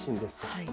はい。